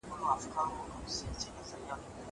زه به کتابونه ليکلي وي!!